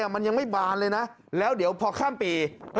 มันยังไม่บานเลยนะแล้วเดี๋ยวพอข้ามปี